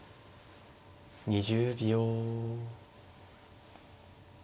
２０秒。